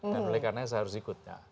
dan oleh karena saya harus ikut